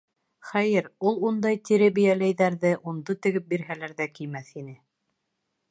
Хәйер, ул ундай тире бейәләйҙәрҙе унды тегеп бирһәләр ҙә кеймәҫ ине.